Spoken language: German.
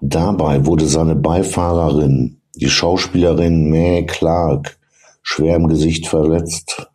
Dabei wurde seine Beifahrerin, die Schauspielerin Mae Clarke, schwer im Gesicht verletzt.